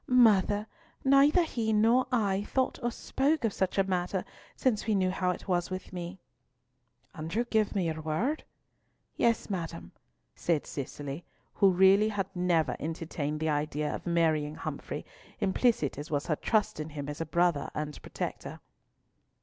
"Mother; neither he nor I have thought or spoken of such a matter since we knew how it was with me. "And you give me your word?" "Yea, madam," said Cicely, who had really never entertained the idea of marrying Humfrey, implicit as was her trust in him as a brother and protector.